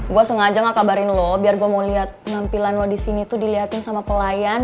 gue sengaja gak kabarin lo biar gue mau lihat penampilan lo disini tuh dilihatin sama pelayan